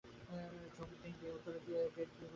ঝোং ডিঙ্গি, উত্তরের গেট উড়িয়ে দাও।